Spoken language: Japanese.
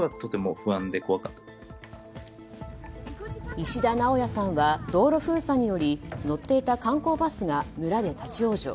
石田直也さんは道路封鎖により乗っていた観光バスが村で立ち往生。